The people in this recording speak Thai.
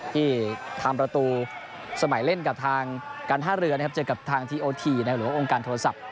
ที่ทำประตูสมัยเล่นกับทางการท่าเรือนะครับเจอกับทางทีโอทีหรือว่าองค์การโทรศัพท์